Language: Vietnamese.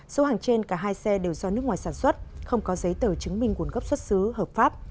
số hàng trên cả hai xe đều do nước ngoài sản xuất không có giấy tờ chứng minh nguồn gốc xuất xứ hợp pháp